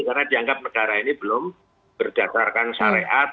karena dianggap negara ini belum berdasarkan syariat